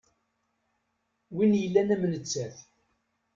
Win yellan am nettat.